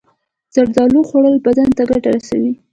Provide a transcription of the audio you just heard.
زردالو خوړل بدن ته ګټه رسوي.